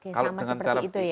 oke sama seperti itu ya